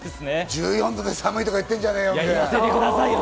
１４度で寒いって言ってんじゃねえよ！